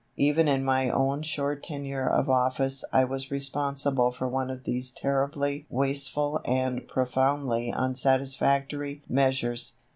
Even in my own short tenure of office I was responsible for one of these terribly wasteful and profoundly unsatisfactory measures.